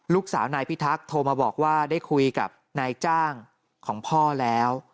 ลูกสาวนายพิทักษ์โทรมาบอกว่าได้คุยกับนายจ้างของพ่อแล้ว